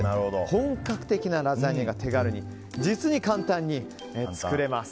本格的なラザニアが手軽に、実に簡単に作れます。